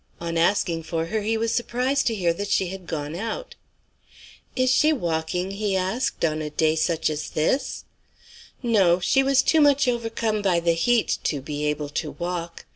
On asking for her, he was surprised to hear that she had gone out. "Is she walking?" he asked, "on a day such as this?" No: she was too much overcome by the heat to be able to walk.